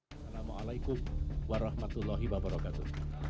assalamualaikum warahmatullahi wabarakatuh